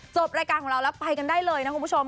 จบรายการของเราแล้วไปกันได้เลยนะคุณผู้ชม